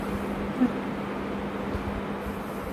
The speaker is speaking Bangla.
রাগের অপকারিতার শিক্ষা হয়ে থাকুক এটা।